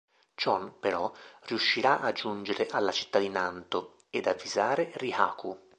Chon, però, riuscirà a giungere alla città di Nanto ed avvisare Rihaku.